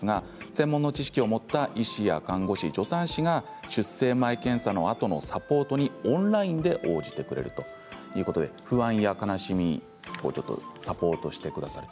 専門の知識を持った医師や看護師助産師が出生前検査などのサポートにオンラインで応じてくれるということで不安や悲しみをサポートしてくださる。